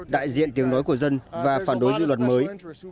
đại diện tiếng nói của dân và phản đối dự luật mới